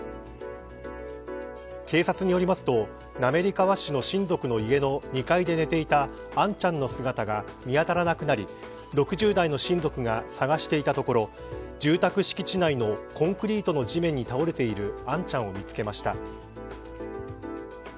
警察によりますと滑川市の親族の家の２階で寝ていた杏ちゃんの姿が見当たらなくなり６０代の親族が捜したところ住宅敷地内のコンクリートの地面に倒れている杏ちゃんを見つけました。